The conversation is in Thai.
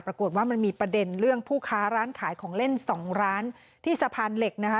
ปรากฏว่ามันมีประเด็นเรื่องผู้ค้าร้านขายของเล่นสองร้านที่สะพานเหล็กนะคะ